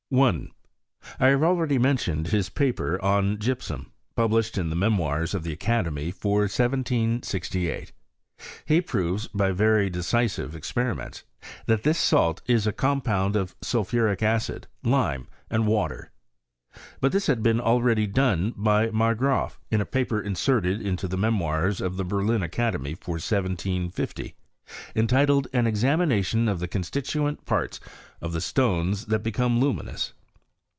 I. I have already mentioned his paper on gypsum, published in the Memoirs of the Academy, for 1768. He proves, by very decisive experiments, that this salt is a compound of sulphuric acid, lime, and water. But this had been already done by Margraaf, in a paper inserted into the Memoirs of the Berlin Academy, for 1750, entitled " An Examination of the constituent parts of the Stones that become luminous."